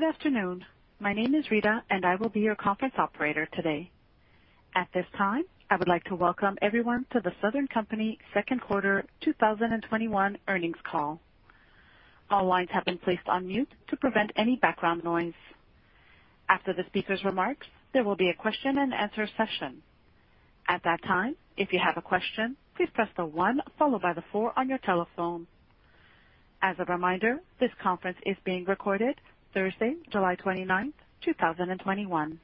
Good afternoon. My name is Rita, and I will be your conference operator today. At this time, I would like to welcome everyone to The Southern Company second quarter 2021 earnings call. All lines have been placed on mute to prevent any background noise. After the speaker's remarks, there will be a question and answer session. At that time, if you have a question, please press the one followed by the four on your telephone. As a reminder, this conference is being recorded Thursday, July 29, 2021.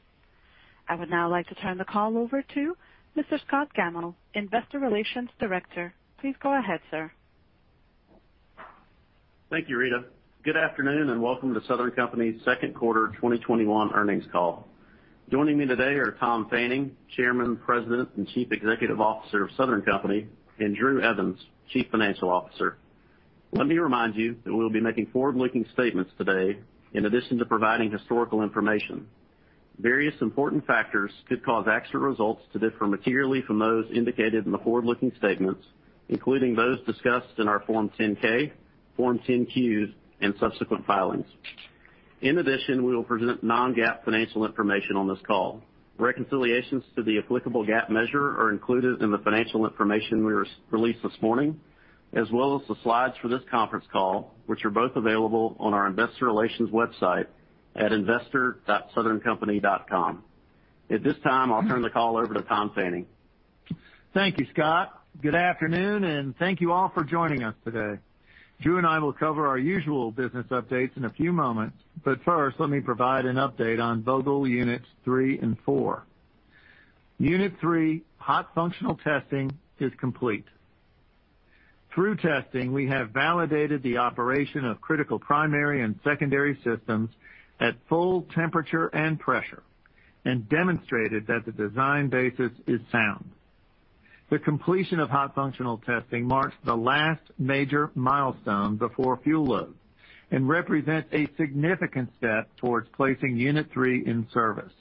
I would now like to turn the call over to Mr. Scott Gammill, Investor Relations Director. Please go ahead, sir. Thank you, Rita. Good afternoon, and welcome to Southern Company's second quarter 2021 earnings call. Joining me today are Tom Fanning, Chairman, President, and Chief Executive Officer of Southern Company, and Drew Evans, Chief Financial Officer. Let me remind you that we'll be making forward-looking statements today in addition to providing historical information. Various important factors could cause actual results to differ materially from those indicated in the forward-looking statements, including those discussed in our Form 10-K, Form 10-Qs, and subsequent filings. In addition, we will present non-GAAP financial information on this call. Reconciliations to the applicable GAAP measure are included in the financial information we released this morning, as well as the slides for this conference call, which are both available on our investor relations website at investor.southerncompany.com. At this time, I'll turn the call over to Tom Fanning. Thank you, Scott. Good afternoon, and thank you all for joining us today. Drew and I will cover our usual business updates in a few moments. First, let me provide an update on Vogtle Units three and four. Unit three hot functional testing is complete. Through testing, we have validated the operation of critical primary and secondary systems at full temperature and pressure and demonstrated that the design basis is sound. The completion of hot functional testing marks the last major milestone before fuel load and represents a significant step towards placing Unit three in service.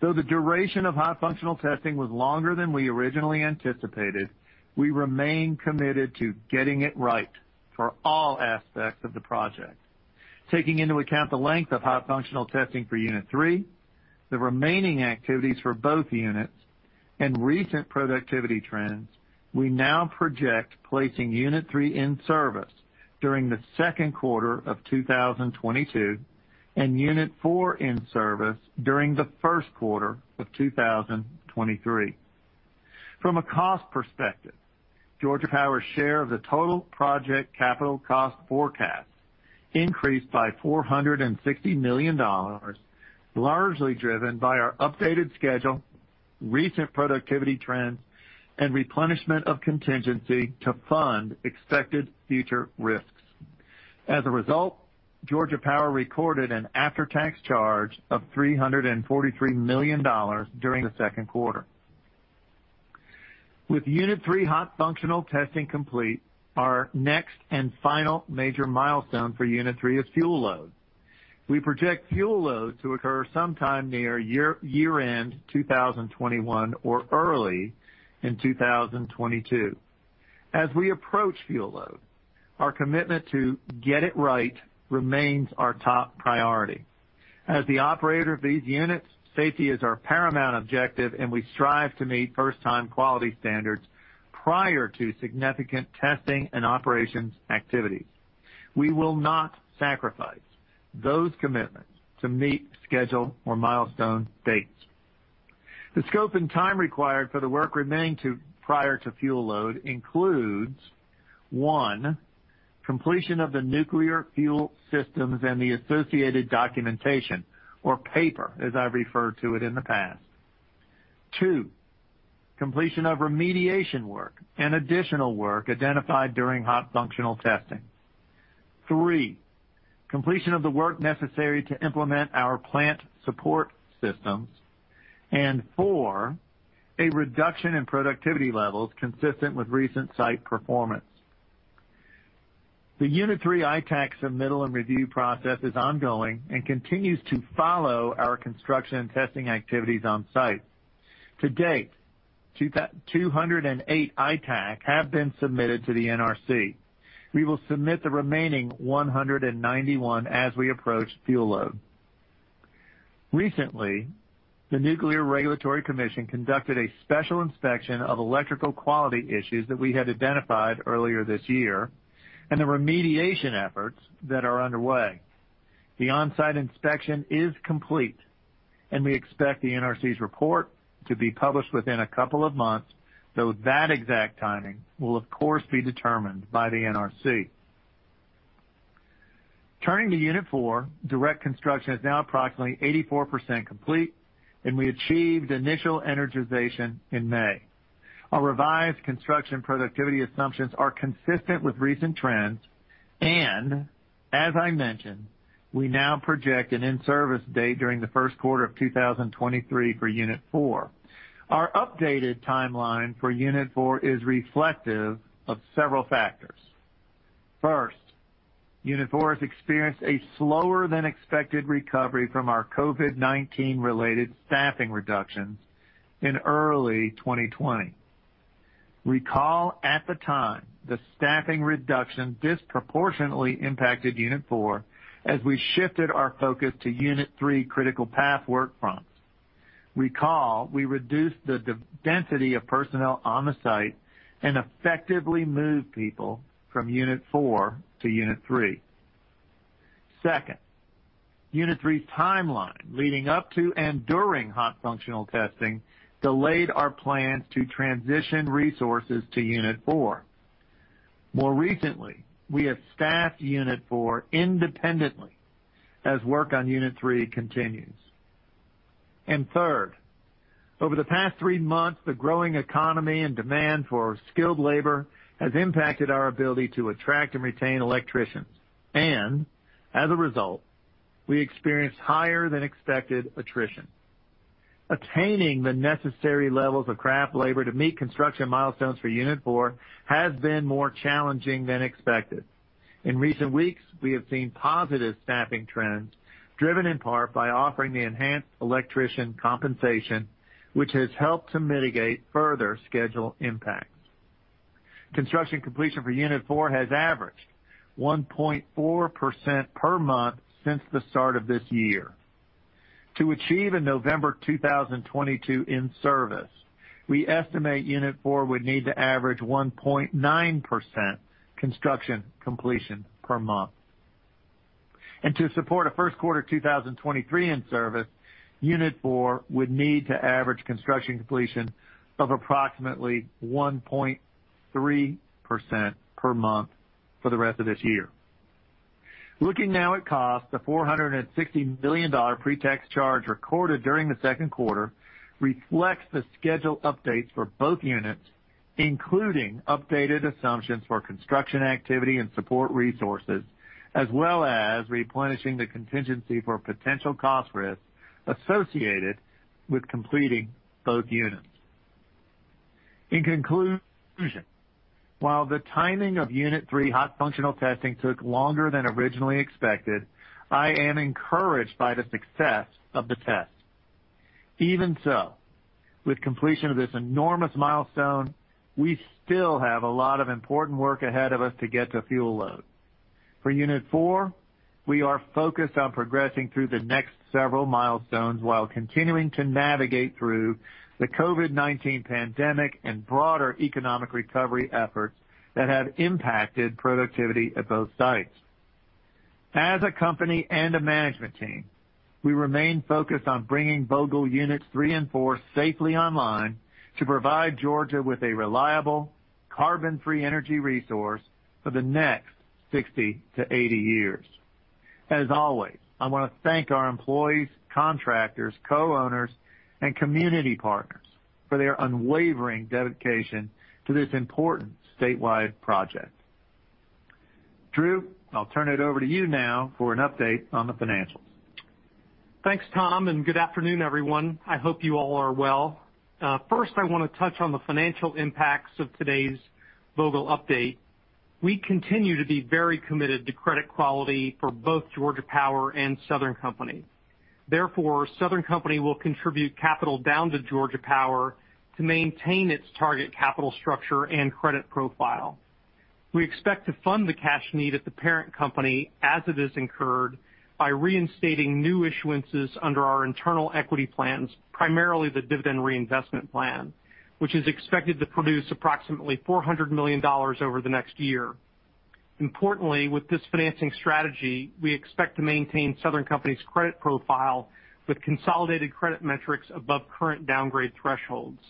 Though the duration of hot functional testing was longer than we originally anticipated, we remain committed to getting it right for all aspects of the project. Taking into account the length of hot functional testing for unit three, the remaining activities for both units, and recent productivity trends, we now project placing unit three in service during the second quarter of 2022 and unit four in service during the first quarter of 2023. From a cost perspective, Georgia Power's share of the total project capital cost forecast increased by $460 million, largely driven by our updated schedule, recent productivity trends, and replenishment of contingency to fund expected future risks. As a result, Georgia Power recorded an after-tax charge of $343 million during the second quarter. With unit three hot functional testing complete, our next and final major milestone for unit three is fuel load. We project fuel load to occur sometime near year-end 2021 or early in 2022. As we approach fuel load, our commitment to get it right remains our top priority. As the operator of these units, safety is our paramount objective, and we strive to meet first-time quality standards prior to significant testing and operations activities. We will not sacrifice those commitments to meet schedule or milestone dates. The scope and time required for the work remaining prior to fuel load includes, one, completion of the nuclear fuel systems and the associated documentation or paper, as I referred to it in the past. two, completion of remediation work and additional work identified during hot functional testing. three, completion of the work necessary to implement our plant support systems. four, a reduction in productivity levels consistent with recent site performance. The unit three ITAAC submittal and review process is ongoing and continues to follow our construction and testing activities on-site. To date, 208 ITAAC have been submitted to the NRC. We will submit the remaining 191 as we approach fuel load. Recently, the Nuclear Regulatory Commission conducted a special inspection of electrical quality issues that we had identified earlier this year and the remediation efforts that are underway. The on-site inspection is complete, and we expect the NRC's report to be published within a couple of months, though that exact timing will, of course, be determined by the NRC. Turning to Unit four, direct construction is now approximately 84% complete, and we achieved initial energization in May. Our revised construction productivity assumptions are consistent with recent trends, and as I mentioned, we now project an in-service date during the first quarter of 2023 for Unit four. Our updated timeline for Unit four is reflective of several factors. Unit four has experienced a slower-than-expected recovery from our COVID-19 related staffing reductions in early 2020. Recall at the time, the staffing reduction disproportionately impacted Unit four, as we shifted our focus to Unit three critical path work fronts. Recall, we reduced the density of personnel on the site and effectively moved people from Unit four to Unit three. Second, Unit three timeline leading up to and during hot functional testing delayed our plans to transition resources to Unit four. More recently, we have staffed Unit four independently as work on Unit three continues. Third, over the past three months, the growing economy and demand for skilled labor has impacted our ability to attract and retain electricians. As a result, we experienced higher-than-expected attrition. Attaining the necessary levels of craft labor to meet construction milestones for Unit four has been more challenging than expected. In recent weeks, we have seen positive staffing trends driven in part by offering the enhanced electrician compensation, which has helped to mitigate further schedule impacts. Construction completion for Unit four has averaged 1.4% per month since the start of this year. To achieve a November 2022 in-service, we estimate Unit four would need to average 1.9% construction completion per month. To support a first quarter 2023 in-service, Unit four would need to average construction completion of approximately 1.3% per month for the rest of this year. Looking now at cost, the $460 million pre-tax charge recorded during the second quarter reflects the schedule updates for both units, including updated assumptions for construction activity and support resources, as well as replenishing the contingency for potential cost risks associated with completing both units. In conclusion, while the timing of Unit three hot functional testing took longer than originally expected, I am encouraged by the success of the test. Even so, with completion of this enormous milestone, we still have a lot of important work ahead of us to get to fuel load. For Unit four, we are focused on progressing through the next several milestones while continuing to navigate through the COVID-19 pandemic and broader economic recovery efforts that have impacted productivity at both sites. As a company and a management team, we remain focused on bringing Vogtle Units three and four safely online to provide Georgia with a reliable carbon-free energy resource for the next 60-80 years. As always, I want to thank our employees, contractors, co-owners, and community partners for their unwavering dedication to this important statewide project. Drew, I'll turn it over to you now for an update on the financials. Thanks, Tom, and good afternoon, everyone. I hope you all are well. First, I want to touch on the financial impacts of today's Vogtle update. We continue to be very committed to credit quality for both Georgia Power and Southern Company. Therefore, Southern Company will contribute capital down to Georgia Power to maintain its target capital structure and credit profile. We expect to fund the cash need at the parent company as it is incurred by reinstating new issuances under our internal equity plans, primarily the dividend reinvestment plan, which is expected to produce approximately $400 million over the next year. Importantly, with this financing strategy, we expect to maintain Southern Company's credit profile with consolidated credit metrics above current downgrade thresholds.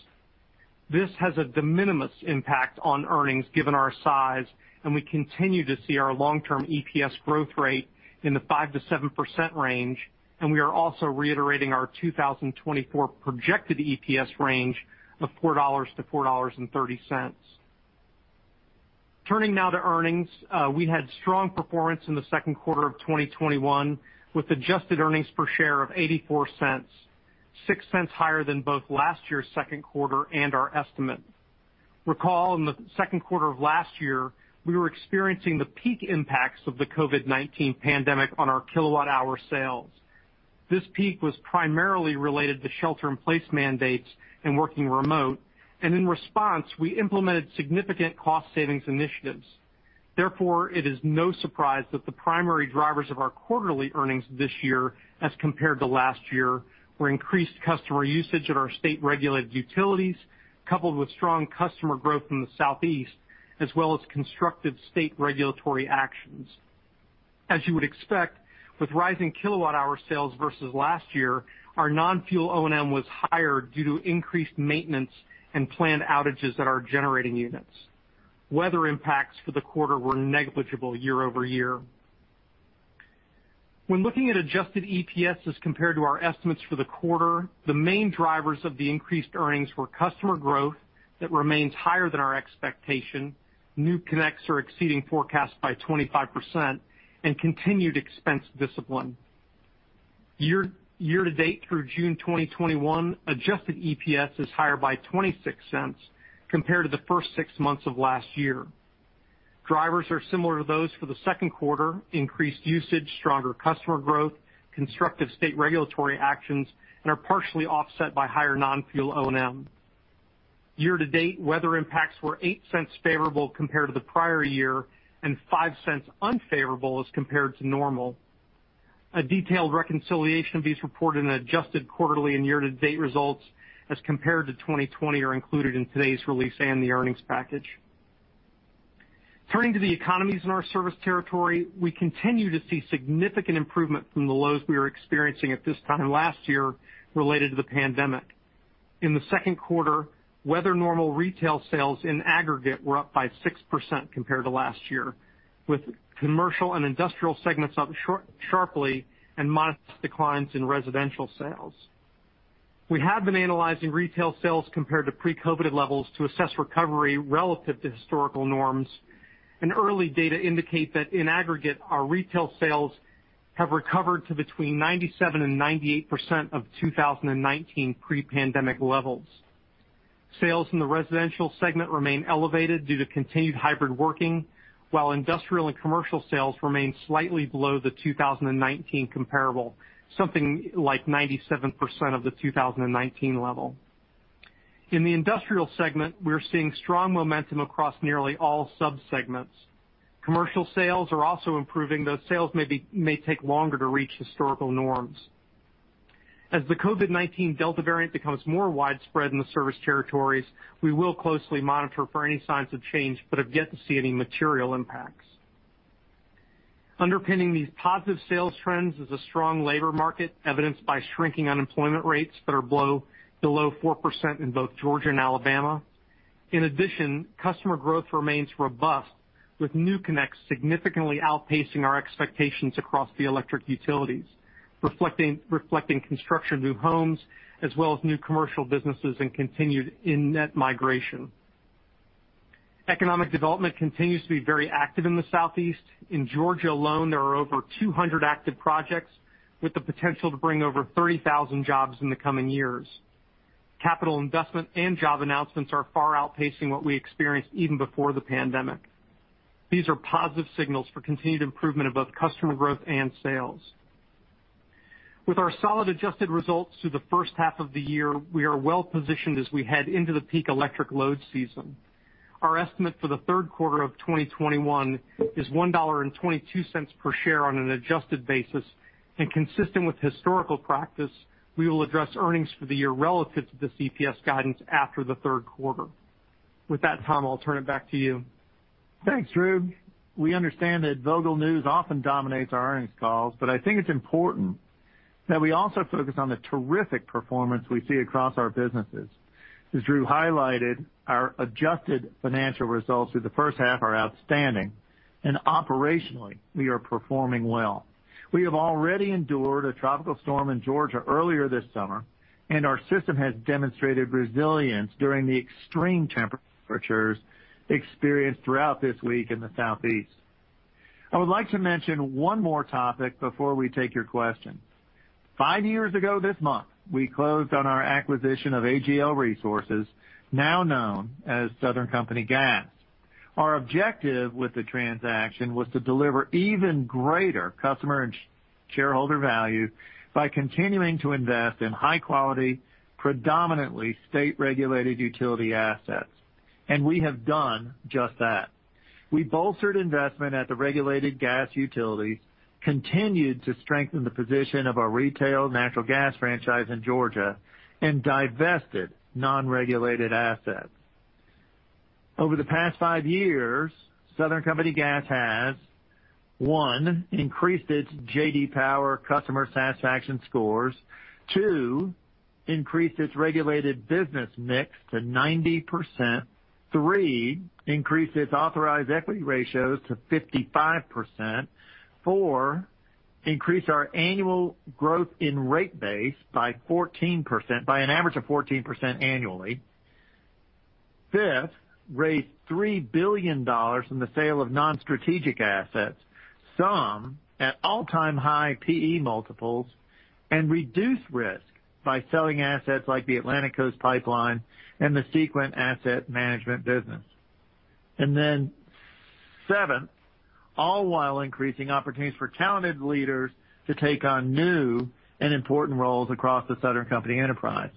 This has a de minimis impact on earnings given our size. We continue to see our long-term EPS growth rate in the 5%-7% range. We are also reiterating our 2024 projected EPS range of $4-$4.30. Turning now to earnings. We had strong performance in the second quarter of 2021 with adjusted earnings per share of $0.84, $0.06 higher than both last year's second quarter and our estimate. Recall in the second quarter of last year, we were experiencing the peak impacts of the COVID-19 pandemic on our kilowatt-hour sales. This peak was primarily related to shelter-in-place mandates and working remote, and in response, we implemented significant cost savings initiatives. Therefore, it is no surprise that the primary drivers of our quarterly earnings this year as compared to last year were increased customer usage at our state-regulated utilities, coupled with strong customer growth in the Southeast, as well as constructive state regulatory actions. As you would expect, with rising kilowatt-hour sales versus last year, our non-fuel O&M was higher due to increased maintenance and planned outages at our generating units. Weather impacts for the quarter were negligible year-over-year. When looking at adjusted EPS as compared to our estimates for the quarter, the main drivers of the increased earnings were customer growth that remains higher than our expectation. New connects are exceeding forecasts by 25%, and continued expense discipline. Year-to-date through June 2021, adjusted EPS is higher by $0.26 compared to the first six months of last year. Drivers are similar to those for the second quarter, increased usage, stronger customer growth, constructive state regulatory actions, and are partially offset by higher non-fuel O&M. Year-to-date, weather impacts were $0.08 favorable compared to the prior year and $0.05 unfavorable as compared to normal. A detailed reconciliation of these reported and adjusted quarterly and year-to-date results as compared to 2020 are included in today's release and the earnings package. Turning to the economies in our service territory, we continue to see significant improvement from the lows we were experiencing at this time last year related to the pandemic. In the second quarter, weather normal retail sales in aggregate were up by 6% compared to last year, with commercial and industrial segments up sharply and modest declines in residential sales. We have been analyzing retail sales compared to pre-COVID-19 levels to assess recovery relative to historical norms. Early data indicate that in aggregate, our retail sales have recovered to between 97% and 98% of 2019 pre-pandemic levels. Sales in the residential segment remain elevated due to continued hybrid working, while industrial and commercial sales remain slightly below the 2019 comparable, something like 97% of the 2019 level. In the industrial segment, we're seeing strong momentum across nearly all sub-segments. Commercial sales are also improving, though sales may take longer to reach historical norms. As the COVID-19 Delta variant becomes more widespread in the service territories, we will closely monitor for any signs of change but have yet to see any material impacts. Underpinning these positive sales trends is a strong labor market evidenced by shrinking unemployment rates that are below 4% in both Georgia and Alabama. In addition, customer growth remains robust with new connects significantly outpacing our expectations across the electric utilities, reflecting construction of new homes as well as new commercial businesses and continued in-migration. Economic development continues to be very active in the Southeast. In Georgia alone, there are over 200 active projects with the potential to bring over 30,000 jobs in the coming years. Capital investment and job announcements are far outpacing what we experienced even before the pandemic. These are positive signals for continued improvement of both customer growth and sales. With our solid adjusted results through the first half of the year, we are well-positioned as we head into the peak electric load season. Our estimate for the third quarter of 2021 is $1.22 per share on an adjusted basis. Consistent with historical practice, we will address earnings for the year relative to the EPS guidance after the third quarter. With that, Tom, I'll turn it back to you. Thanks, Drew. We understand that Vogtle news often dominates our earnings calls, but I think it's important that we also focus on the terrific performance we see across our businesses. As Drew highlighted, our adjusted financial results through the first half are outstanding, and operationally, we are performing well. We have already endured a tropical storm in Georgia earlier this summer, and our system has demonstrated resilience during the extreme temperatures experienced throughout this week in the Southeast. I would like to mention one more topic before we take your questions. Five years ago this month, we closed on our acquisition of AGL Resources, now known as Southern Company Gas. Our objective with the transaction was to deliver even greater customer and shareholder value by continuing to invest in high-quality, predominantly state-regulated utility assets. We have done just that. We bolstered investment at the regulated gas utilities, continued to strengthen the position of our retail natural gas franchise in Georgia, and divested non-regulated assets. Over the past five years, Southern Company Gas has, one, increased its J.D. Power customer satisfaction scores. Two, increased its regulated business mix to 90%. Three, increased its authorized equity ratios to 55%. Four, increased our annual growth in rate base by an average of 14% annually. Fifth, raised $3 billion from the sale of non-strategic assets, some at all-time high P/E multiples, and reduced risk by selling assets like the Atlantic Coast Pipeline and the Sequent Energy Management business. seventh, all while increasing opportunities for talented leaders to take on new and important roles across the Southern Company enterprise.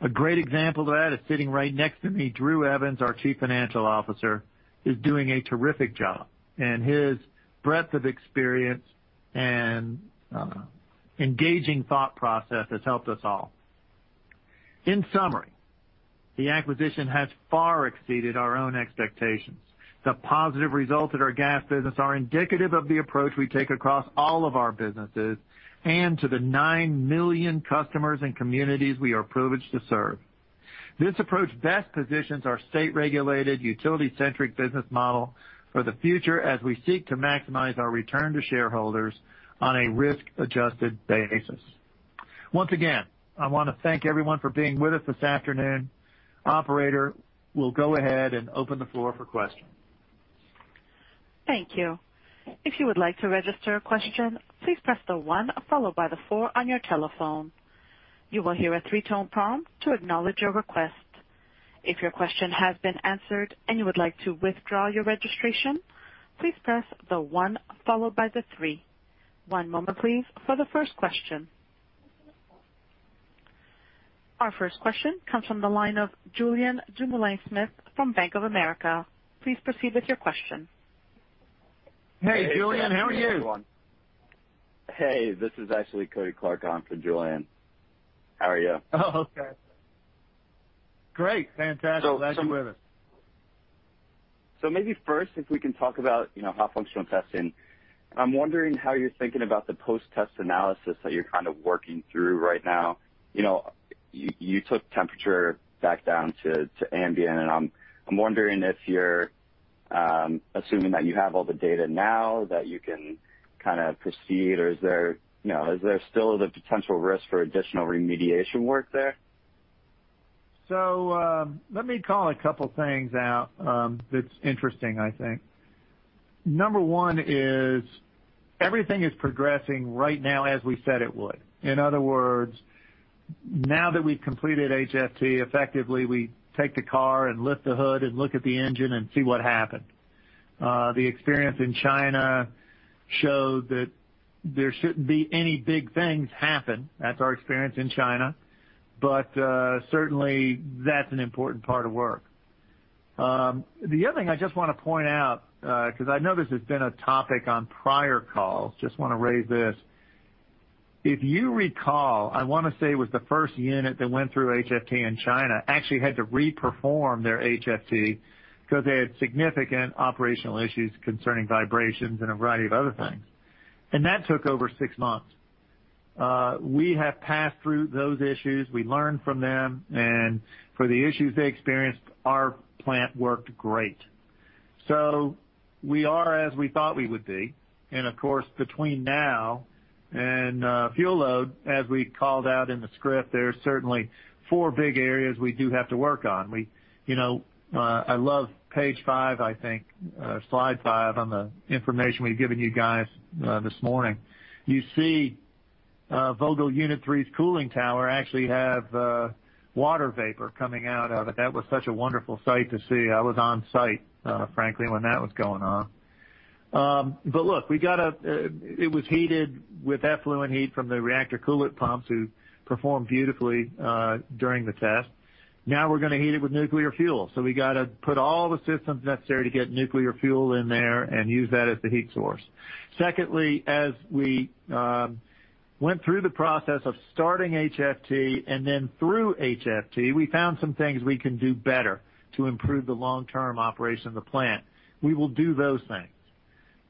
A great example of that is sitting right next to me. Drew Evans, our chief financial officer, is doing a terrific job, and his breadth of experience and engaging thought process has helped us all. In summary, the acquisition has far exceeded our own expectations. The positive results of our gas business are indicative of the approach we take across all of our businesses and to the nine million customers and communities we are privileged to serve. This approach best positions our state-regulated, utility-centric business model for the future as we seek to maximize our return to shareholders on a risk-adjusted basis. Once again, I want to thank everyone for being with us this afternoon. Operator, we'll go ahead and open the floor for questions. One moment please for the first question. Our first question comes from the line of Julien Dumoulin-Smith from Bank of America. Please proceed with your question. Hey, Julien. How are you? Hey, this is actually Kody Clark on for Julien. How are you? Oh, okay. Great. Fantastic. Glad you're with us. Maybe first, if we can talk about hot functional testing. I'm wondering how you're thinking about the post-test analysis that you're kind of working through right now? You took temperature back down to ambient, and I'm wondering if you're assuming that you have all the data now that you can kind of proceed, or is there still the potential risk for additional remediation work there? Let me call a couple things out that's interesting, I think. Number one is everything is progressing right now as we said it would. In other words, now that we've completed HFT, effectively, we take the car and lift the hood and look at the engine and see what happened. The experience in China showed that there shouldn't be any big things happen. That's our experience in China. Certainly, that's an important part of work. The other thing I just want to point out, because I know this has been a topic on prior calls, just want to raise this. If you recall, I want to say it was the first unit that went through HFT in China, actually had to reperform their HFT because they had significant operational issues concerning vibrations and a variety of other things. That took over six months. We have passed through those issues. We learned from them, and for the issues they experienced, our plant worked great. We are as we thought we would be. Of course, between now and fuel load, as we called out in the script, there are certainly four big areas we do have to work on. I love page five, I think, slide five on the information we've given you guys this morning. You see Vogtle Unit three's cooling tower actually have water vapor coming out of it. That was such a wonderful sight to see. I was on-site, frankly, when that was going on. Look, it was heated with effluent heat from the reactor coolant pumps, who performed beautifully during the test. Now we're going to heat it with nuclear fuel. We got to put all the systems necessary to get nuclear fuel in there and use that as the heat source. Secondly, as we went through the process of starting HFT and then through HFT, we found some things we can do better to improve the long-term operation of the plant. We will do those things.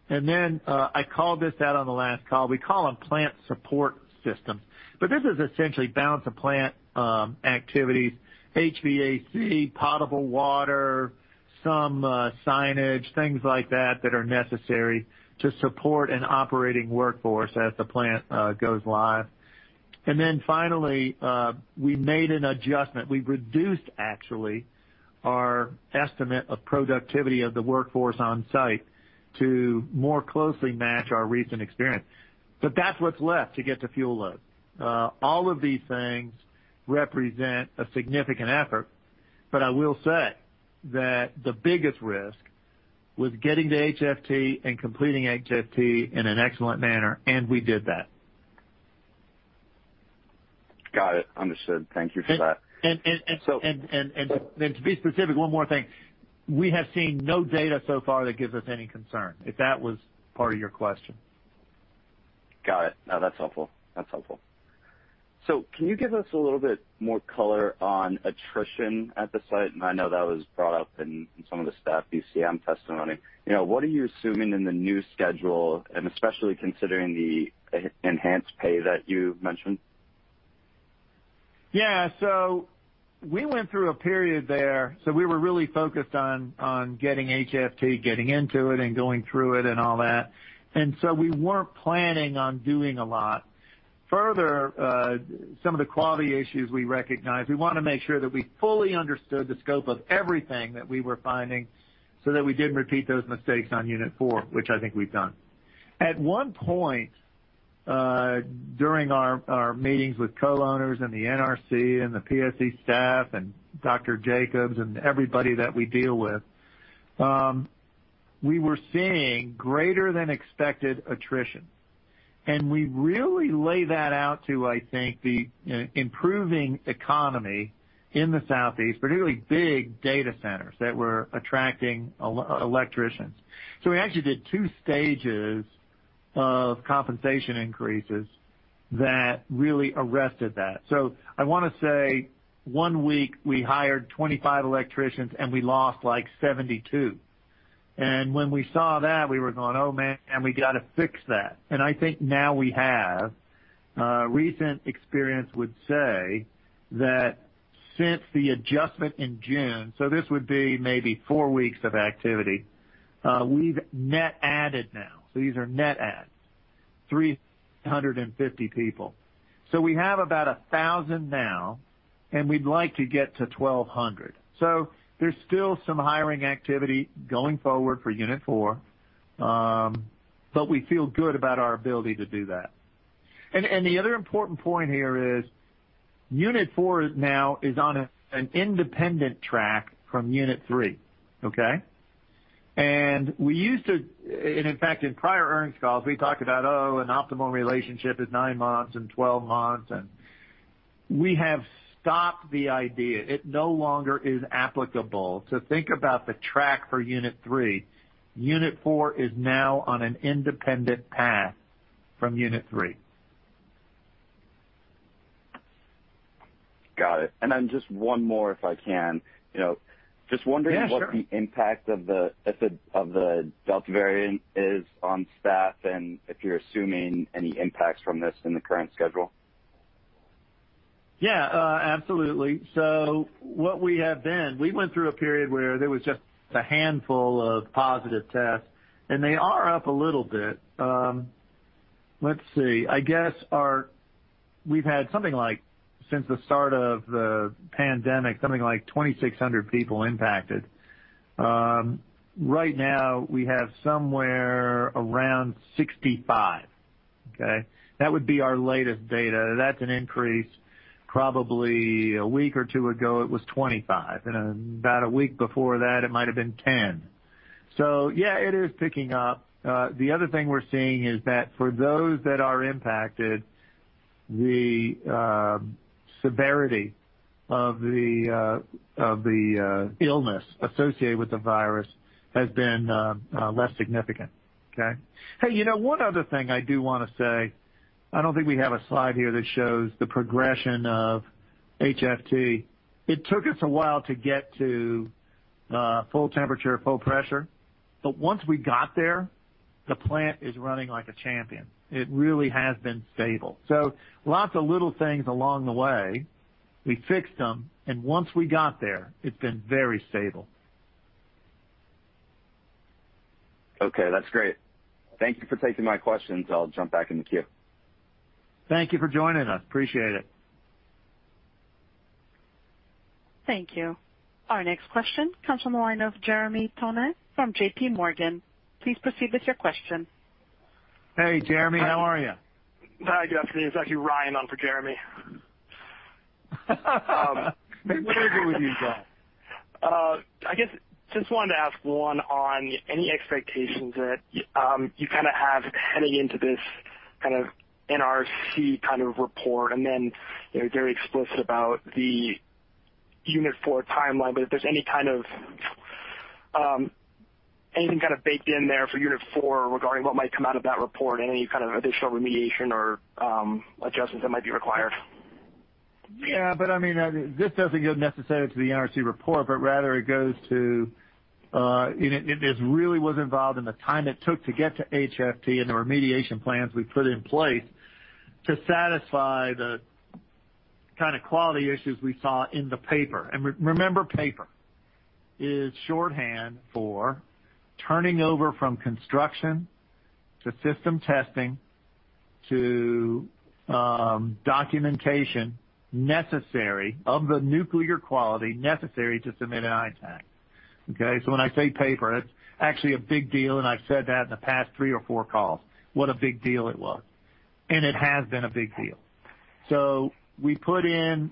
I called this out on the last call. We call them plant support systems, but this is essentially balance-of-plant activities, HVAC, potable water, some signage, things like that are necessary to support an operating workforce as the plant goes live. Finally, we made an adjustment. We reduced, actually, our estimate of productivity of the workforce on-site to more closely match our recent experience. That's what's left to get to fuel load. All of these things represent a significant effort, but I will say that the biggest risk was getting to HFT and completing HFT in an excellent manner, and we did that. Got it. Understood. Thank you for that. To be specific, one more thing. We have seen no data so far that gives us any concern, if that was part of your question. Got it. No, that's helpful. Can you give us a little bit more color on attrition at the site? I know that was brought up in some of the staff VCM testimony. What are you assuming in the new schedule and especially considering the enhanced pay that you mentioned? We went through a period there, so we were really focused on getting HFT, getting into it and going through it and all that. We weren't planning on doing a lot. Further, some of the quality issues we recognized, we want to make sure that we fully understood the scope of everything that we were finding so that we didn't repeat those mistakes on Unit four, which I think we've done. At one point, during our meetings with co-owners and the NRC and the PSC staff and Dr. Jacobs and everybody that we deal with, we were seeing greater than expected attrition. We really lay that out to, I think, the improving economy in the Southeast, particularly big data centers that were attracting electricians. We actually did two stages of compensation increases that really arrested that. I want to say one week we hired 25 electricians, and we lost like 72. When we saw that, we were going, "Oh, man, we got to fix that." I think now we have. Recent experience would say that since the adjustment in June, so this would be maybe four weeks of activity, we've net added now. These are net adds. 350 people. We have about 1,000 now, and we'd like to get to 1,200. There's still some hiring activity going forward for Unit four. We feel good about our ability to do that. The other important point here is, Unit four now is on an independent track from Unit three. Okay. In fact, in prior earnings calls, we talked about, oh, an optimal relationship is nine months and 12 months, and we have stopped the idea. It no longer is applicable to think about the track for unit three. Unit four is now on an independent path from unit three. Got it. Just one more, if I can. Yeah, sure. What the impact of the Delta variant is on staff and if you're assuming any impacts from this in the current schedule? Absolutely. What we have, we went through a period where there was just a handful of positive tests, and they are up a little bit. Let's see. I guess we've had, since the start of the pandemic, something like 2,600 people impacted. Right now, we have somewhere around 65. Okay? That would be our latest data. That's an increase. Probably a week or two ago, it was 25, and about a week before that, it might have been 10. Yeah, it is picking up. The other thing we're seeing is that for those that are impacted, the severity of the illness associated with the virus has been less significant. Okay? Hey, one other thing I do want to say, I don't think we have a slide here that shows the progression of HFT. It took us a while to get to full temperature, full pressure, but once we got there, the plant is running like a champion. It really has been stable. Lots of little things along the way. We fixed them, and once we got there, it's been very stable. Okay. That's great. Thank you for taking my questions. I'll jump back in the queue. Thank you for joining us. Appreciate it. Thank you. Our next question comes from the line of Jeremy Tonet from JPMorgan. Please proceed with your question. Hey, Jeremy. How are you? Hi. Good afternoon. It's actually Ryan on for Jeremy. Very good with you, sir. I guess, just wanted to ask one on any expectations that you have heading into this kind of NRC report, and then very explicit about the unit four timeline. If there's anything kind of baked in there for unit four regarding what might come out of that report and any kind of additional remediation or adjustments that might be required. This doesn't give necessary to the NRC report, but rather this really was involved in the time it took to get to HFT and the remediation plans we put in place to satisfy the kind of quality issues we saw in the paper. Remember, paper is shorthand for turning over from construction to system testing to documentation of the nuclear quality necessary to submit an ITAAC. Okay? When I say paper, that's actually a big deal, and I've said that in the past three or four calls, what a big deal it was, and it has been a big deal. We put in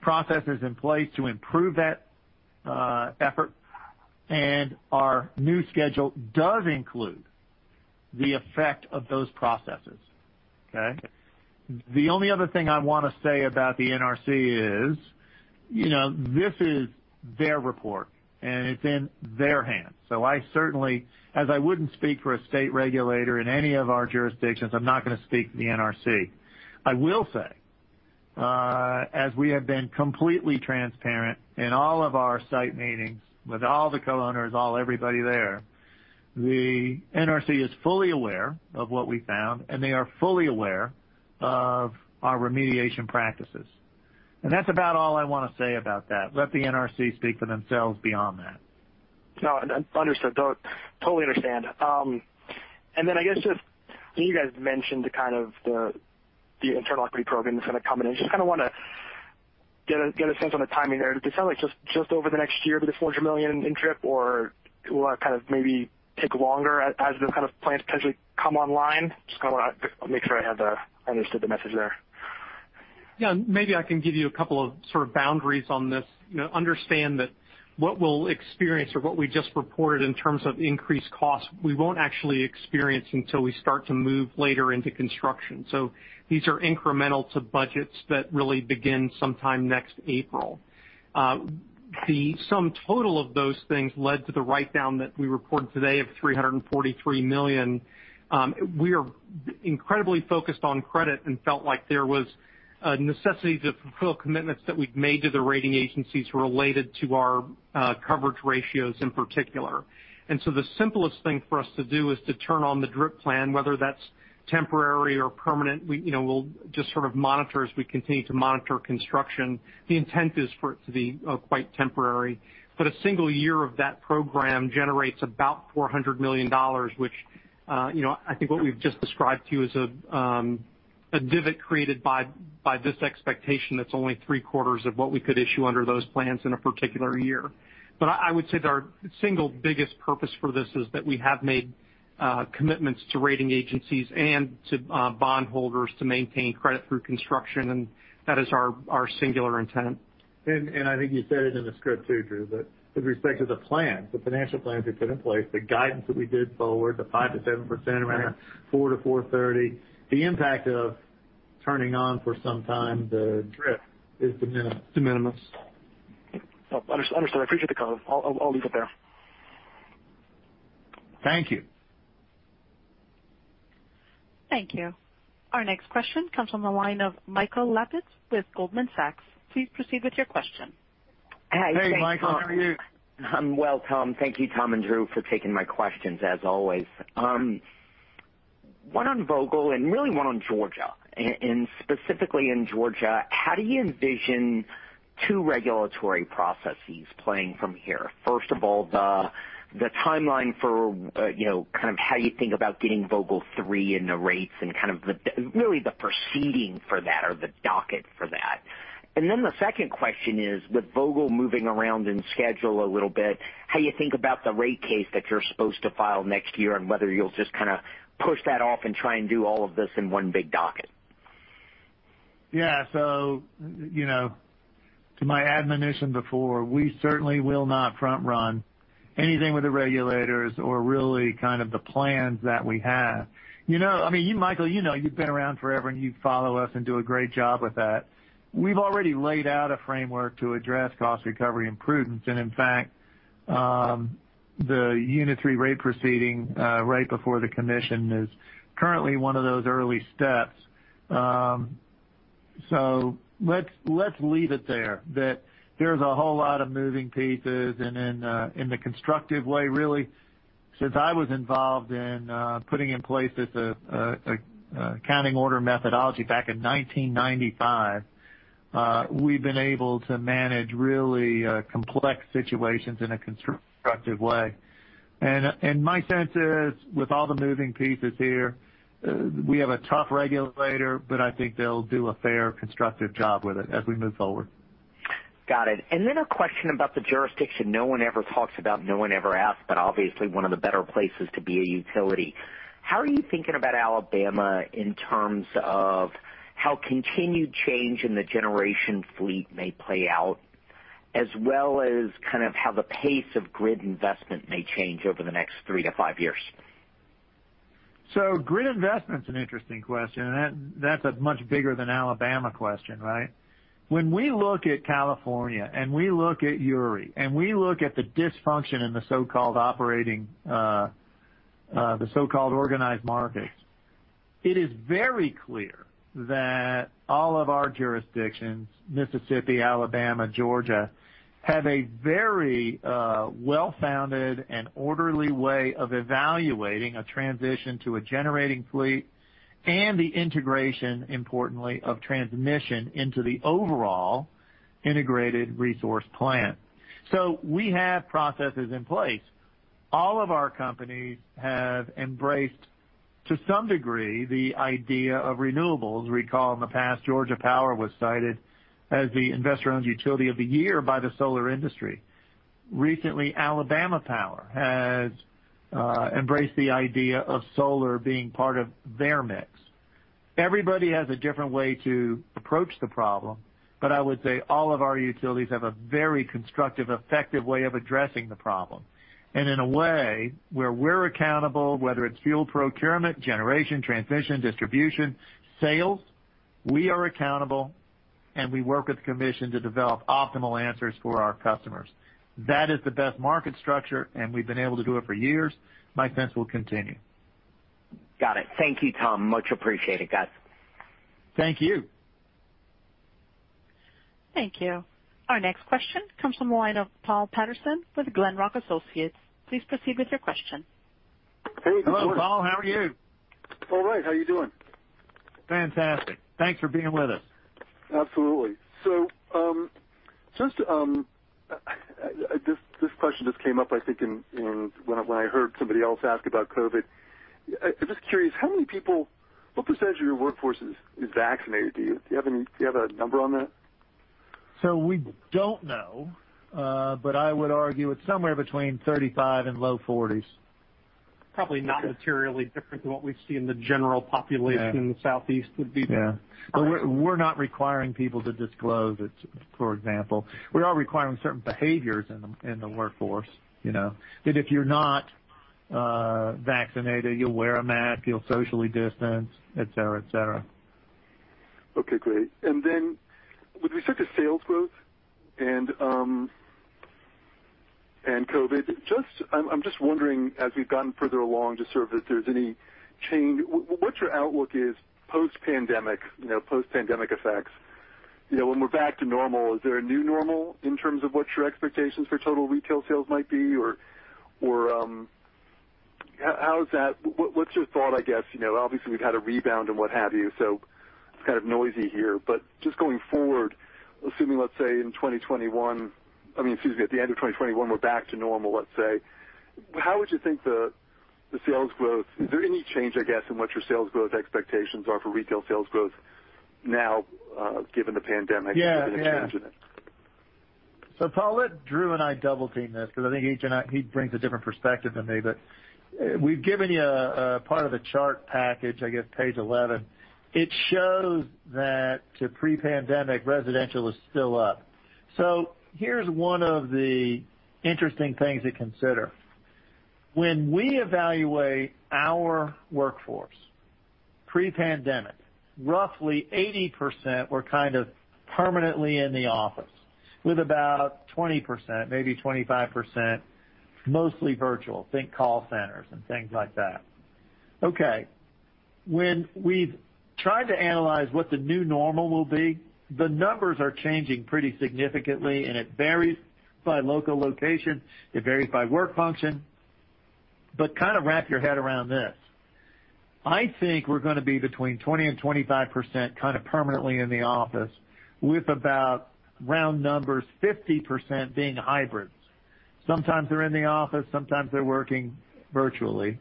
processes in place to improve that effort, and our new schedule does include the effect of those processes. Okay? The only other thing I want to say about the NRC is, this is their report and it's in their hands. I certainly, as I wouldn't speak for a state regulator in any of our jurisdictions, I'm not going to speak for the NRC. I will say, as we have been completely transparent in all of our site meetings with all the co-owners, all everybody there, the NRC is fully aware of what we found, and they are fully aware of our remediation practices. That's about all I want to say about that. Let the NRC speak for themselves beyond that. No, understood. Totally understand. I guess just, you guys mentioned the kind of the internal equity program that's going to come in, and just kind of want to get a sense on the timing there. Does it sound like just over the next year with the $400 million in DRIP, or will that kind of maybe take longer as those kind of plans potentially come online? Just kind of want to make sure I understood the message there. Yeah. Maybe I can give you a couple of sort of boundaries on this. Understand that what we'll experience or what we just reported in terms of increased costs, we won't actually experience until we start to move later into construction. These are incremental to budgets that really begin sometime next April. The sum total of those things led to the write-down that we reported today of $343 million. We are incredibly focused on credit and felt like there was a necessity to fulfill commitments that we'd made to the rating agencies related to our coverage ratios in particular. The simplest thing for us to do is to turn on the DRIP plan, whether that's temporary or permanent. We'll just sort of monitor as we continue to monitor construction. The intent is for it to be quite temporary. A single year of that program generates about $400 million, which I think what we've just described to you is a. A divot created by this expectation that's only three-quarters of what we could issue under those plans in a particular year. I would say that our single biggest purpose for this is that we have made commitments to rating agencies and to bondholders to maintain credit through construction, and that is our singular intent. I think you said it in the script, too, Andrew W. Evans, that with respect to the plans, the financial plans we put in place, the guidance that we did forward, the 5% to 7%. Right 4 to 430. The impact of turning on for some time the DRIP is de minimis. De minimis. Understood. I appreciate the color. I'll leave it there. Thank you. Thank you. Our next question comes from the line of Michael Lapides with Goldman Sachs. Please proceed with your question. Hey, Michael. How are you? I'm well, Tom. Thank you, Tom and Drew, for taking my questions as always. Really one on Vogtle and one on Georgia, and specifically in Georgia, how do you envision two regulatory processes playing from here? First of all, the timeline for kind of how you think about getting Vogtle three and the rates and kind of really the proceeding for that or the docket for that. Then the second question is, with Vogtle moving around in schedule a little bit, how you think about the rate case that you're supposed to file next year and whether you'll just kind of push that off and try and do all of this in one big docket. To my admonition before, we certainly will not front-run anything with the regulators or really kind of the plans that we have. Michael, you know, you've been around forever, and you follow us and do a great job with that. We've already laid out a framework to address cost recovery and prudence, and in fact, the Unit three rate proceeding right before the Commission is currently one of those early steps. Let's leave it there, that there's a whole lot of moving pieces, and in the constructive way, really, since I was involved in putting in place this accounting order methodology back in 1995, we've been able to manage really complex situations in a constructive way. My sense is, with all the moving pieces here, we have a tough regulator, but I think they'll do a fair, constructive job with it as we move forward. Got it. A question about the jurisdiction no one ever talks about, no one ever asks, but obviously one of the better places to be a utility. How are you thinking about Alabama in terms of how continued change in the generation fleet may play out, as well as kind of how the pace of grid investment may change over the next three to five years? Grid investment is an interesting question, and that's a much bigger than Alabama question, right? When we look at California, and we look at ERCOT, and we look at the dysfunction in the so-called operating, the so-called organized markets, it is very clear that all of our jurisdictions, Mississippi, Alabama, Georgia, have a very well-founded and orderly way of evaluating a transition to a generating fleet and the integration, importantly, of transmission into the overall integrated resource plan. We have processes in place. All of our companies have embraced, to some degree, the idea of renewables. Recall in the past, Georgia Power was cited as the Investor-Owned Utility of the Year by the solar industry. Recently, Alabama Power has embraced the idea of solar being part of their mix. Everybody has a different way to approach the problem, but I would say all of our utilities have a very constructive, effective way of addressing the problem. In a way where we're accountable, whether it's fuel procurement, generation, transmission, distribution, sales, we are accountable, and we work with the Commission to develop optimal answers for our customers. That is the best market structure, and we've been able to do it for years. My sense will continue. Got it. Thank you, Tom. Much appreciated, guys. Thank you. Thank you. Our next question comes from the line of Paul Patterson with Glenrock Associates. Please proceed with your question. Hey. How are you? Hello, Paul. How are you? All right. How are you doing? Fantastic. Thanks for being with us. Absolutely. This question just came up, I think, when I heard somebody else ask about COVID. I'm just curious, what percentage of your workforce is vaccinated? Do you have a number on that? We don't know, but I would argue it's somewhere between 35 and low 40s. Probably not materially different than what we see in the general population. Yeah in the Southeast would be- We're not requiring people to disclose it, for example. We are requiring certain behaviors in the workforce. That if you're not vaccinated, you'll wear a mask, you'll socially distance, et cetera. Okay, great. With respect to sales growth and COVID, I'm just wondering, as we've gotten further along, just sort of if there's any change, what your outlook is post-pandemic effects. When we're back to normal, is there a new normal in terms of what your expectations for total retail sales might be, or what's your thought, I guess? Obviously, we've had a rebound and what have you, so it's kind of noisy here. Just going forward, assuming, let's say, in 2021, excuse me, at the end of 2021, we're back to normal, let's say. How would you think, is there any change, I guess, in what your sales growth expectations are for retail sales growth now, given the pandemic- Yeah The change in it? Paul, let Drew and I double-team this because I think he brings a different perspective than me. We've given you a part of a chart package, I guess page 11. It shows that to pre-pandemic, residential is still up. Here's one of the interesting things to consider. When we evaluate our workforce pre-pandemic, roughly 80% were kind of permanently in the office, with about 20%, maybe 25%, mostly virtual. Think call centers and things like that. Okay. When we've tried to analyze what the new normal will be, the numbers are changing pretty significantly, and it varies by local location. It varies by work function. Kind of wrap your head around this. I think we're going to be between 20% and 25% kind of permanently in the office with about, round numbers, 50% being hybrids. Sometimes they're in the office, sometimes they're working virtually.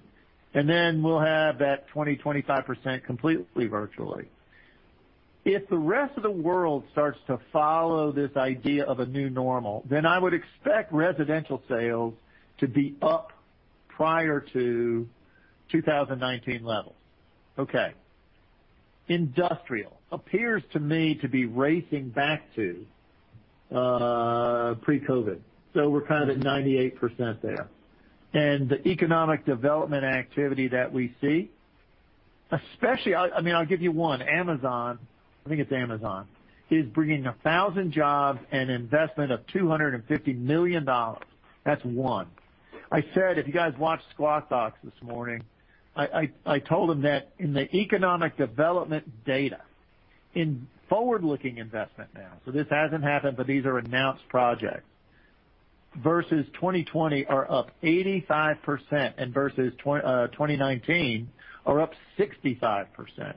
Then we'll have that 20%, 25% completely virtually. If the rest of the world starts to follow this idea of a new normal, then I would expect residential sales to be up prior to 2019 levels. Okay. Industrial appears to me to be racing back to pre-COVID. We're kind of at 98% there. The economic development activity that we see, especially I'll give you one. Amazon, I think it's Amazon, is bringing 1,000 jobs and investment of $250 million. That's one. I said, if you guys watched Squawk Box this morning, I told them that in the economic development data, in forward-looking investment now. This hasn't happened, but these are announced projects, versus 2020 are up 85% and versus 2019 are up 65%.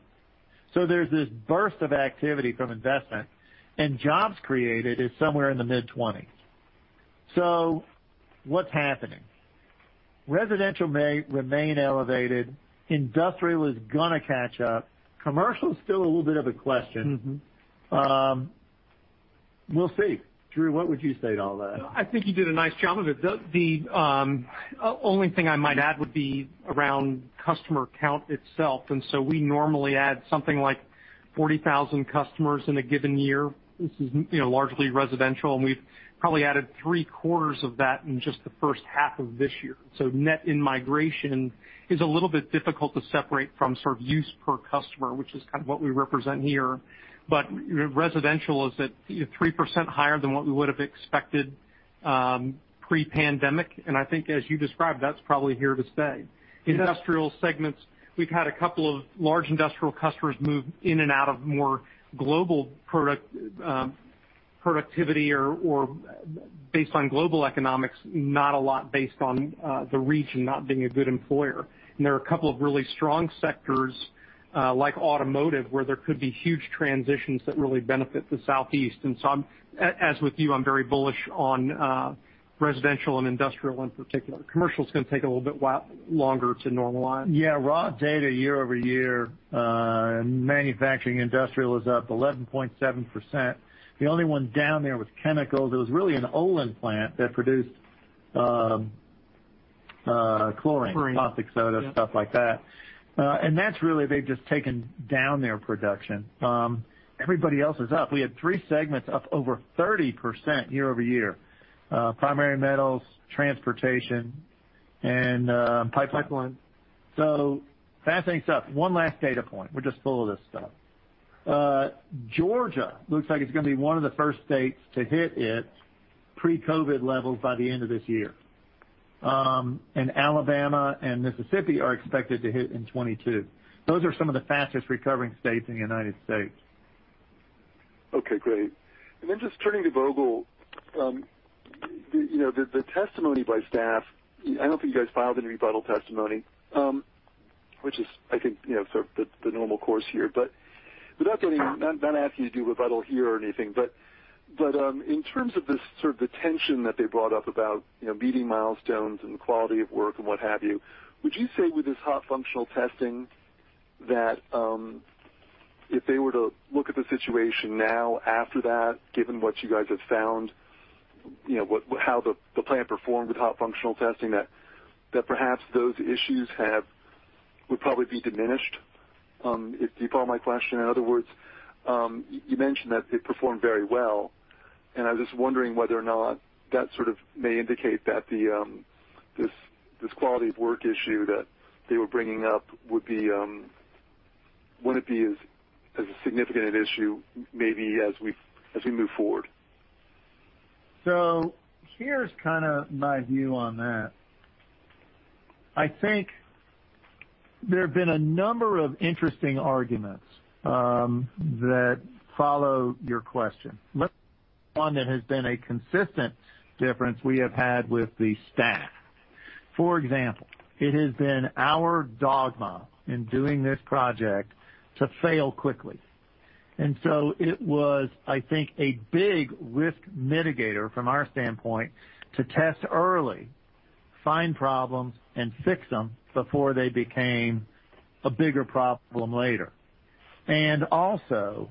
There's this burst of activity from investment, and jobs created is somewhere in the mid-20s. What's happening? Residential may remain elevated. Industrial is going to catch up. Commercial's still a little bit of a question. We'll see. Drew, what would you say to all that? I think you did a nice job of it. The only thing I might add would be around customer count itself. We normally add something like 40,000 customers in a given year. This is largely residential, and we've probably added three-quarters of that in just the first half of this year. Net in-migration is a little bit difficult to separate from sort of use per customer, which is kind of what we represent here. Residential is at 3% higher than what we would've expected pre-pandemic. I think, as you described, that's probably here to stay. Yes. Industrial segments, we've had a couple of large industrial customers move in and out of more global productivity or based on global economics, not a lot based on the region not being a good employer. There are a couple of really strong sectors, like automotive, where there could be huge transitions that really benefit the Southeast. As with you, I'm very bullish on residential and industrial in particular. Commercial's going to take a little bit longer to normalize. Yeah. Raw data year-over-year, manufacturing industrial is up 11.7%. The only one down there was chemicals. It was really an Olin plant that produced chlorine. Chlorine caustic soda, stuff like that. That's really, they've just taken down their production. Everybody else is up. We had three segments up over 30% year-over-year. Primary metals, transportation. Pipeline pipeline. Fascinating stuff. One last data point. We're just full of this stuff. Georgia looks like it's going to be one of the first states to hit its pre-COVID levels by the end of this year. Alabama and Mississippi are expected to hit in 2022. Those are some of the fastest recovering states in the U.S. Okay, great. Just turning to Vogtle. The testimony by staff, I don't think you guys filed any rebuttal testimony, which is, I think, sort of the normal course here. Without getting, I'm not asking you to do rebuttal here or anything. In terms of this sort of the tension that they brought up about meeting milestones and the quality of work and what have you. Would you say with this hot functional testing that if they were to look at the situation now after that, given what you guys have found, how the plant performed with hot functional testing, that perhaps those issues would probably be diminished? If you follow my question, in other words, you mentioned that it performed very well, and I was just wondering whether or not that sort of may indicate that this quality-of-work issue that they were bringing up wouldn't be as significant an issue, maybe as we move forward. Here's kind of my view on that. I think there have been a number of interesting arguments that follow your question. One that has been a consistent difference we have had with the staff. For example, it has been our dogma in doing this project to fail quickly. It was, I think, a big risk mitigator from our standpoint to test early, find problems, and fix them before they became a bigger problem later. Also,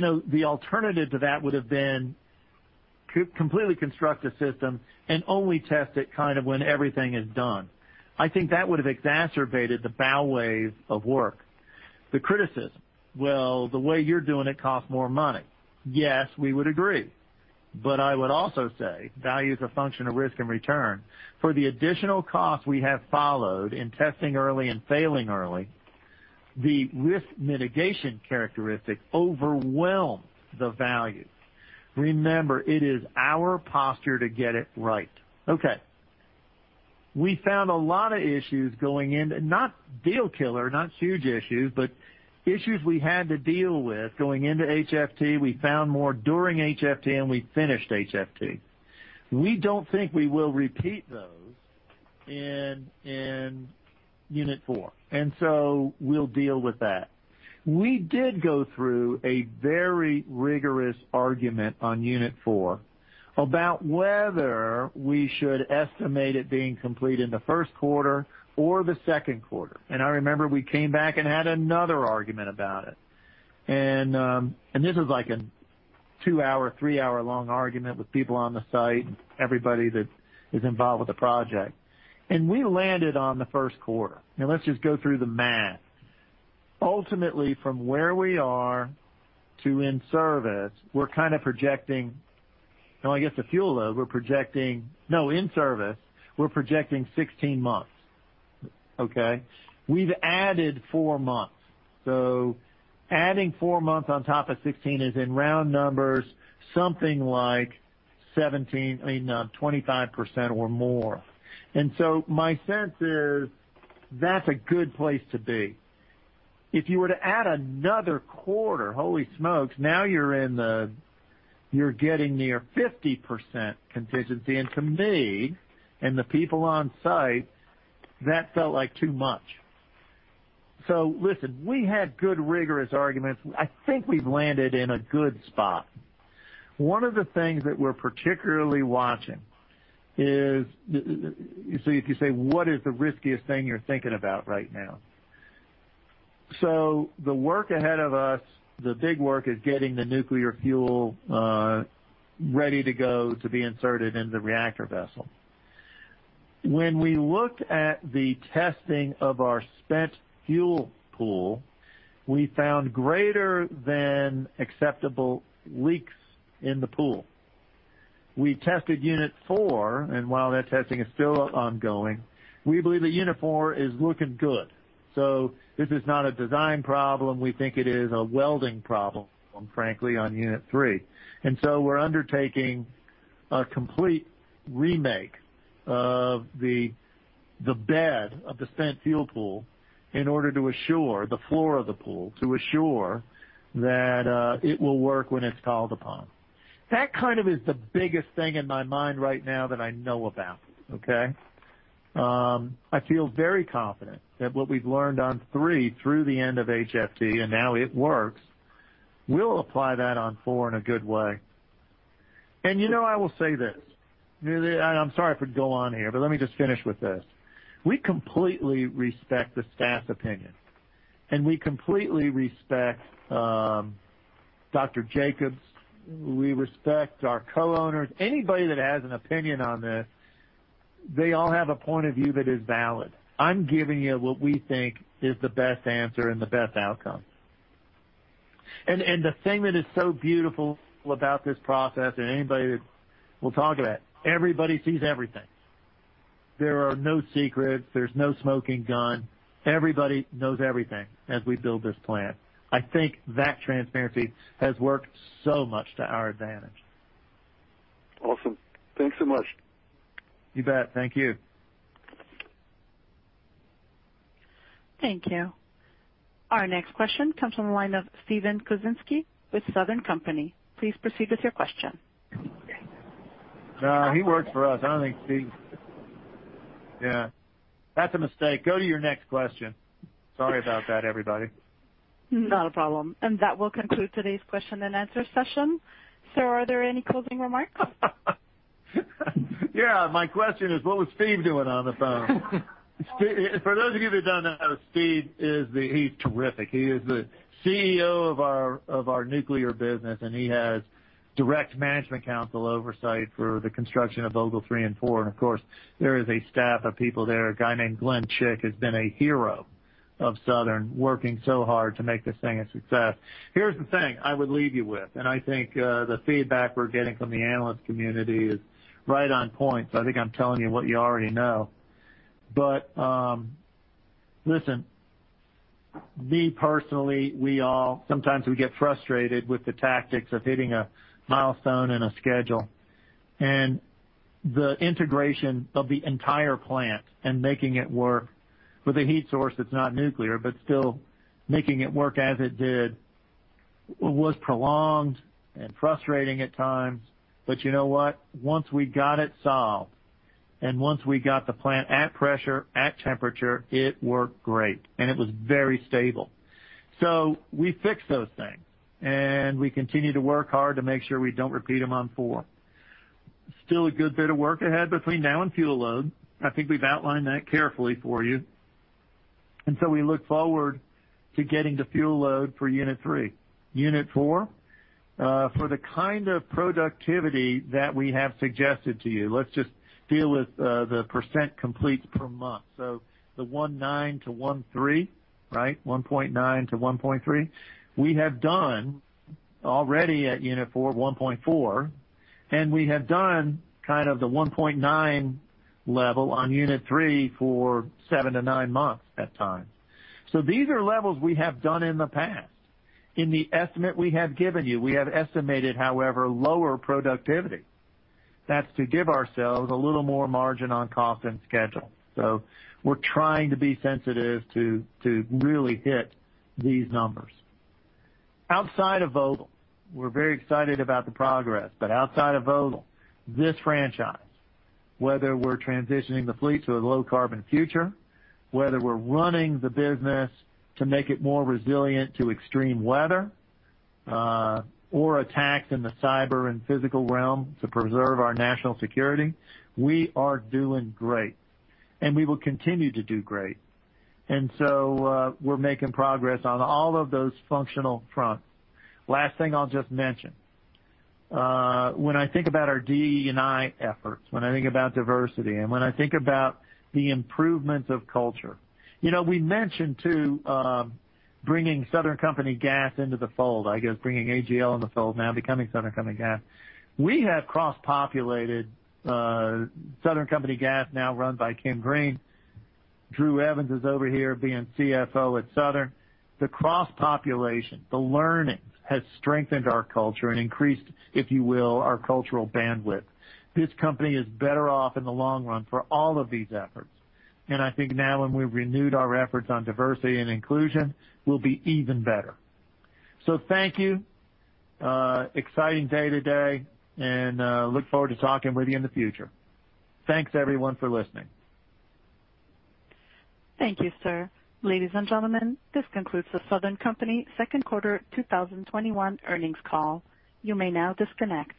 the alternative to that would've been to completely construct a system and only test it when everything is done. I think that would've exacerbated the bow wave of work. The criticism, "Well, the way you're doing it costs more money." Yes, we would agree. I would also say value is a function of risk and return. For the additional cost we have followed in testing early and failing early, the risk mitigation characteristic overwhelmed the value. Remember, it is our posture to get it right. Okay. We found a lot of issues going in. Not deal killer, not huge issues, but issues we had to deal with going into HFT. We found more during HFT, and we finished HFT. We don't think we will repeat those in Unit four, we'll deal with that. We did go through a very rigorous argument on Unit four about whether we should estimate it being complete in the first quarter or the second quarter. I remember we came back and had another argument about it. This is like a two-hour, three-hour long argument with people on the site and everybody that is involved with the project. We landed on the first quarter. Now let's just go through the math. Ultimately, from where we are to in service, we're projecting 16 months. Okay. We've added four months. Adding four months on top of 16 is, in round numbers, something like 25% or more. My sense is that's a good place to be. If you were to add another quarter, holy smokes, now you're getting near 50% contingency, and to me and the people on site, that felt like too much. Listen, we had good, rigorous arguments. I think we've landed in a good spot. One of the things that we're particularly watching, if you say, "What is the riskiest thing you're thinking about right now?" The work ahead of us, the big work is getting the nuclear fuel ready to go to be inserted into the reactor vessel. When we looked at the testing of our spent fuel pool, we found greater than acceptable leaks in the pool. We tested Unit four, and while that testing is still ongoing, we believe that Unit four is looking good. This is not a design problem. We think it is a welding problem, frankly, on Unit three. We're undertaking a complete remake of the bed of the spent fuel pool in order to assure, the floor of the pool, to assure that it will work when it's called upon. That kind of is the biggest thing in my mind right now that I know about, okay? I feel very confident that what we've learned on three through the end of ITAAC and now it works, we'll apply that on four in a good way. I will say this. I'm sorry for going on here, but let me just finish with this. We completely respect the staff's opinion, we completely respect Dr. Jacobs. We respect our co-owners. Anybody that has an opinion on this, they all have a point of view that is valid. I'm giving you what we think is the best answer and the best outcome. The thing that is so beautiful about this process. We'll talk about it. Everybody sees everything. There are no secrets. There's no smoking gun. Everybody knows everything as we build this plant. I think that transparency has worked so much to our advantage. Awesome. Thanks so much. You bet. Thank you. Thank you. Our next question comes from the line of Stephen Kuczynski with Southern Company. Please proceed with your question. No, he works for us. I don't think. Yeah. That's a mistake. Go to your next question. Sorry about that, everybody. Not a problem. That will conclude today's question and answer session. Sir, are there any closing remarks? Yeah. My question is, what was Stephen Kuczynski doing on the phone? For those of you that don't know, Stephen Kuczynski is terrific. He is the CEO of our nuclear business, and he has direct management council oversight for the construction of Vogtle three and four. Of course, there is a staff of people there. A guy named Glen Ruch has been a hero of Southern Company, working so hard to make this thing a success. Here's the thing I would leave you with, and I think the feedback we're getting from the analyst community is right on point, so I think I'm telling you what you already know. Listen, me personally, sometimes we get frustrated with the tactics of hitting a milestone and a schedule. The integration of the entire plant and making it work with a heat source that's not nuclear, but still making it work as it did was prolonged and frustrating at times. You know what? Once we got it solved, and once we got the plant at pressure, at temperature, it worked great, and it was very stable. We fixed those things, and we continue to work hard to make sure we don't repeat them on four. Still a good bit of work ahead between now and fuel load. I think we've outlined that carefully for you. We look forward to getting to fuel load for unit three. Unit four, for the kind of productivity that we have suggested to you, let's just deal with the % complete per month. The 1.9 to 1.3, right? 1.9 to 1.3. We have done already at unit four, 1.4, and we have done kind of the 1.9 level on unit three for seven to nine months at time. These are levels we have done in the past. In the estimate we have given you, we have estimated, however, lower productivity. That's to give ourselves a little more margin on cost and schedule. We're trying to be sensitive to really hit these numbers. Outside of Vogtle, we're very excited about the progress, but outside of Vogtle, this franchise, whether we're transitioning the fleet to a low-carbon future, whether we're running the business to make it more resilient to extreme weather, or attacks in the cyber and physical realm to preserve our national security, we are doing great, and we will continue to do great. We're making progress on all of those functional fronts. Last thing I'll just mention. When I think about our DE&I efforts, when I think about diversity, and when I think about the improvement of culture. We mentioned too bringing Southern Company Gas into the fold, I guess, bringing AGL in the fold, now becoming Southern Company Gas. We have cross-populated Southern Company Gas, now run by Kim Greene. Drew Evans is over here being CFO at Southern. The cross-population, the learning, has strengthened our culture and increased, if you will, our cultural bandwidth. This company is better off in the long run for all of these efforts. I think now when we've renewed our efforts on diversity and inclusion, we'll be even better. Thank you. Exciting day today and look forward to talking with you in the future. Thanks, everyone, for listening. Thank you, sir. Ladies and gentlemen, this concludes the Southern Company second quarter 2021 earnings call. You may now disconnect.